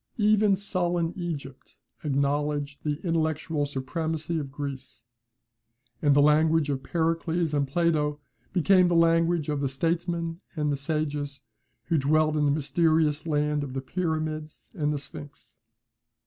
Even sullen Egypt acknowledged the intellectual supremacy of Greece; and the language of Pericles and Plato became the language of the statesmen and the sages who dwelt in the mysterious land of the Pyramids and the Sphinx.